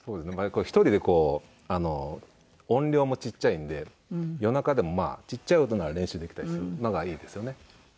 一人でこう音量もちっちゃいんで夜中でもまあちっちゃい音なら練習できたりするのがいいですよね。